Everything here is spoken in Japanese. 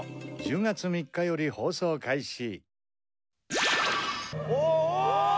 １０月３日より放送開始。